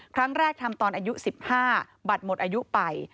ครั้งแรกทำตอนอายุ๑๕บัตรหมดอายุไป